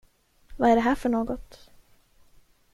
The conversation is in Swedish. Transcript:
Vad är det här för något?